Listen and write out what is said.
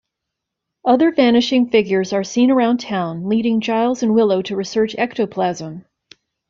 Other vanishing figures are seen around town, leading Giles and Willow to research ectoplasm.